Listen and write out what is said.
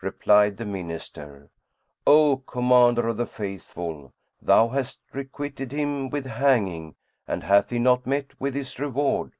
Replied the Minister, "O Commander of the Faithful, thou hast requited him with hanging and hath he not met with his reward?"